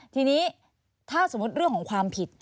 ทีนี้ถ้าสมมุติเรื่องของความผิด